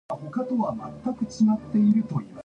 They had three children, one son and two daughters.